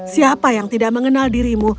siapa yang tidak mengenal dirimu